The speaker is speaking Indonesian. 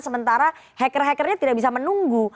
sementara hacker hackernya tidak bisa menunggu